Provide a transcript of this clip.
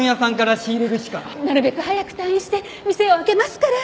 なるべく早く退院して店を開けますから。